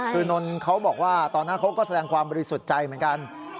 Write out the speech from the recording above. คือนนท์เขาบอกว่าตอนนั้นเขาก็แสดงความบริสุทธิ์ใจเหมือนกัน